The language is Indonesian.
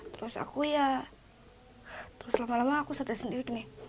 terus aku ya terus lama lama aku sadar sendiri nih